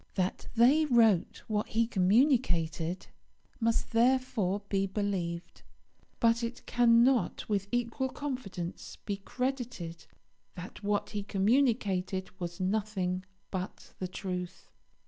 That they wrote what he communicated must therefore be believed; but it cannot with equal confidence be credited that what he communicated was nothing but the truth.